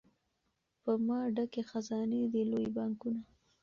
په ما ډکي خزانې دي لوی بانکونه